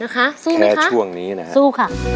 ครับแค่ช่วงนี้นะครับสู้ไหมคะสู้ค่ะสู้ค่ะ